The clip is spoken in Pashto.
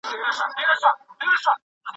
ناوخته ماښامانۍ د شکر خطر زیاتوي.